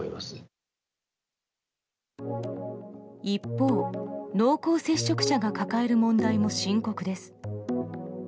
一方、濃厚接触者が抱える問題も深刻です。